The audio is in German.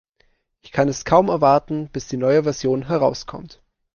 Ich kann es kaum erwarten, bis die neue Version herauskommt.